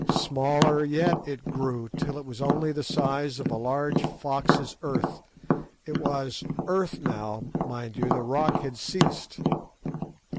Smaller yet it grew, till it was only the size of a large fox's earth—it was earth now, mind you; the rock had ceased.